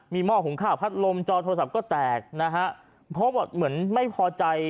มีหม้อหุงข้าวพัดลมจอโทรศัพท์ก็แตกนะฮะเพราะเหมือนไม่พอใจ